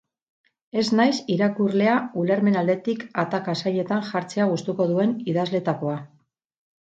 Ez naiz irakurlea ulermen aldetik ataka zailetan jartzea gustuko duen idazleetakoa.